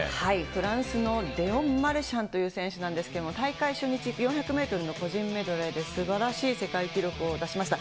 フランスのレオン・マルシャンという選手なんですけれども、大会初日、４００メートルの個人メドレーですばらしい世界記録を出しました。